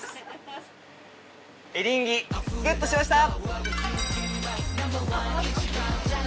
エリンギゲットしました！